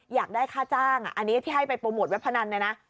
อยากได้ค่าจ้างอันนี้ที่ให้ไปโปรโมทเว็บพนันเนี่ยนะ